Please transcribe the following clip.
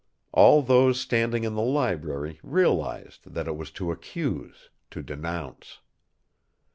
All those standing in the library realized that it was to accuse, to denouce.